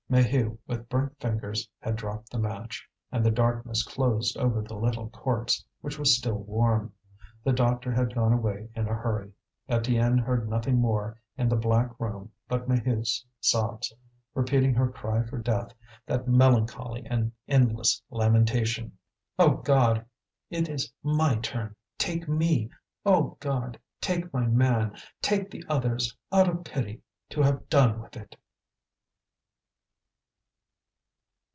Maheu, with burnt fingers, had dropped the match, and the darkness closed over the little corpse, which was still warm. The doctor had gone away in a hurry. Étienne heard nothing more in the black room but Maheude's sobs, repeating her cry for death, that melancholy and endless lamentation: "O God! it is my turn, take me! O God! take my man, take the others, out of pity, to have done with it!"